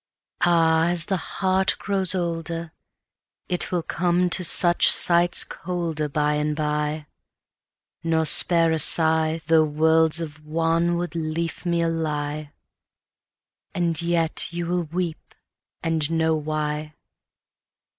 Áh! ás the heart grows olderIt will come to such sights colderBy and by, nor spare a sighThough worlds of wanwood leafmeal lie; And yet you wíll weep and know why.